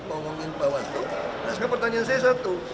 ngomongin bawah tuh langsung pertanyaan saya satu